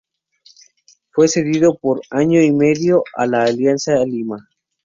Fue cedido por año y medio a Alianza Lima.